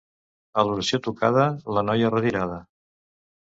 A l'oració tocada, la noia retirada.